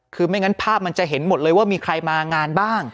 คือไม่งั้นภาพมันจะเห็นหมดเลยว่ามีใครมางานบ้าง